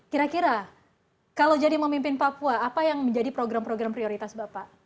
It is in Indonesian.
kira kira kalau jadi memimpin papua apa yang menjadi program program prioritas bapak